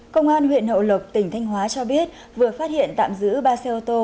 công an huyện hậu lộc tỉnh thanh hóa cho biết vừa phát hiện tạm giữ ba xe ô tô